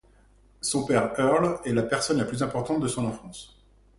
Son père Earl est la personne la plus importante de son enfance.